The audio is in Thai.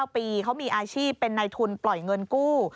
๙ปีเขามีอาชีพเป็นในทุนปล่อยเงินกู้